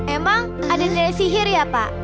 emang ada nilai sihir ya pak